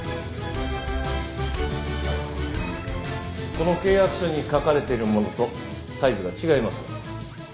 この契約書に書かれているものとサイズが違いますが。